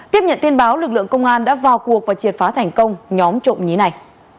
tiếp nhận tin báo lực lượng công an đã vào cuộc và triệt phá thành công nhóm trộm nhí này